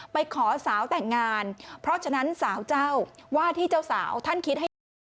ไปขอสาวแต่งงานเพราะฉะนั้นสาวเจ้าว่าที่เจ้าสาวท่านคิดให้ดี